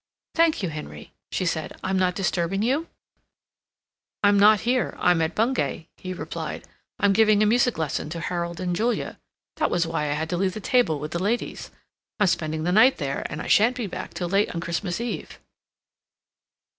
"Thank you, Henry," she said. "I'm not disturbing you?" "I'm not here. I'm at Bungay," he replied. "I'm giving a music lesson to Harold and Julia. That was why I had to leave the table with the ladies—I'm spending the night there, and I shan't be back till late on Christmas Eve."